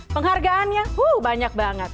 penghargaannya banyak banget